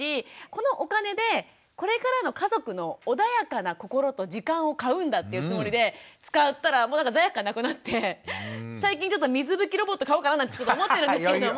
このお金でこれからの家族の穏やかな心と時間を買うんだっていうつもりで使ったらもうなんか罪悪感なくなって最近水拭きロボット買おうかななんてちょっと思ってるんですけれども。